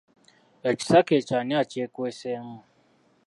Ekisaka ekyo ani akyekweseemu?